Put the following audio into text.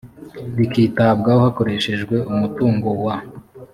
rikitabwaho hakoreshejwe umutungo wa